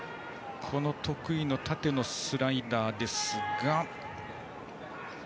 得意の縦のスライダーですが。